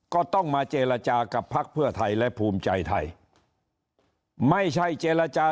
ก็ต้องมาเจรจากับพักเพื่อไทยและภูมิใจไทยไม่ใช่เจรจา